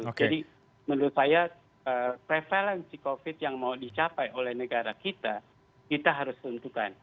jadi menurut saya prevalensi covid yang mau dicapai oleh negara kita kita harus tentukan